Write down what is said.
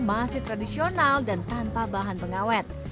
masih tradisional dan tanpa bahan pengawet